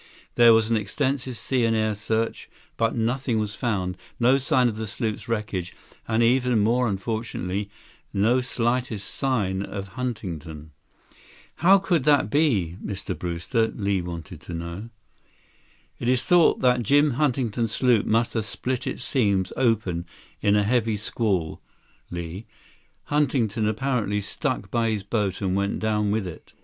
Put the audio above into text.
There was an extensive sea and air search, but nothing was found, no sign of the sloop's wreckage, and, even more unfortunately, no slightest sign of Huntington." "How could that be, Mr. Brewster?" Li wanted to know. "It is thought that Jim Huntington's sloop must have split its seams open in a heavy squall, Li. Huntington apparently stuck by his boat and went down with it."